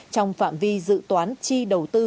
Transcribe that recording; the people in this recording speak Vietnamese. trong phạm vi dự toán chi đầu tư